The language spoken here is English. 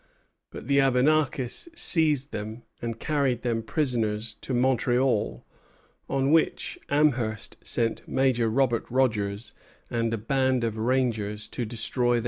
But the Abenakis seized them and carried them prisoners to Montreal; on which Amherst sent Major Robert Rogers and a band of rangers to destroy their town.